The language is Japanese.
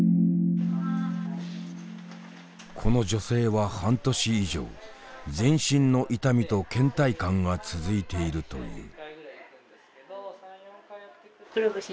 この女性は半年以上全身の痛みとけん怠感が続いているという。